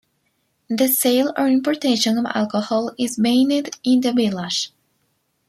The sale or importation of alcohol is banned in the village.